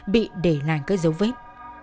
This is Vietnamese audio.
bị để lại cơ giấu vết